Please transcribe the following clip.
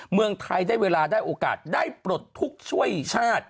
เมืองไทยได้เวลาได้โอกาสได้ปลดทุกข์ช่วยชาติ